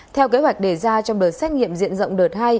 theo kế hoạch đề ra trong đợt xét nghiệm diện rộng đợt hai